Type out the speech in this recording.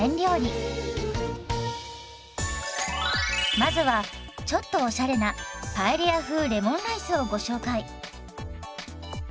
まずはちょっとおしゃれなパエリア風レモンライスをご紹介。